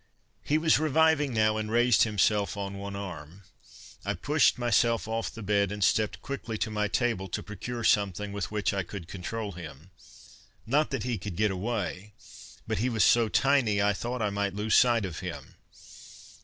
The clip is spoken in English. He was reviving now, and raised himself on one arm. I pushed myself off the bed, and stepped quickly to my table to procure something with which I could control him. Not that he could get away, but he was so tiny I thought I might lose sight of him.